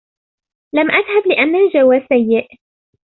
لم أذهب لأن الجو سيء.